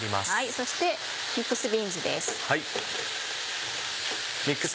そしてミックスビーンズです。